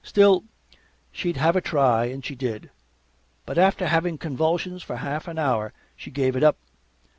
Still, she'd have a try, and she did. But after having convulsions for half an hour, she gave it up.